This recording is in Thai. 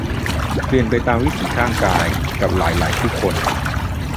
เปลี่ยนไปตามวิถีข้างกาย กับหลาย หลายผู้คน